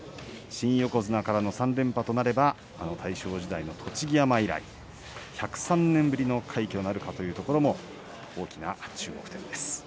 新横綱からの３連覇となれば大正時代の栃木山以来１０３年ぶりの快挙なるかというところも大きな注目点です。